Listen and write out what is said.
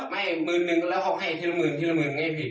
ไม่มื้อนึงแล้วให้๑๐๐๐พี่